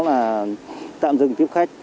là tạm dừng tiếp khách